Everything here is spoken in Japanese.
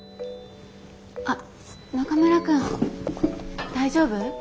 あっ中村くん。大丈夫？